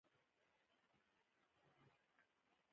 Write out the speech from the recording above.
کله کله به په خپلمنځي شخړو کې هم سره کېوتل